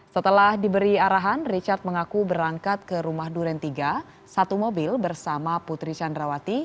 setelah diberi arahan richard mengaku berangkat ke rumah duren tiga satu mobil bersama putri candrawati